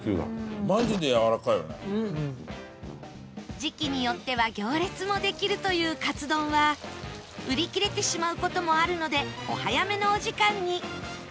時期によっては行列もできるというカツ丼は売り切れてしまう事もあるのでお早めのお時間に